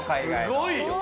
すごいよ。